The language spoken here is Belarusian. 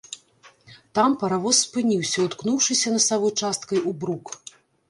Там паравоз спыніўся, уткнуўшыся насавой часткай у брук.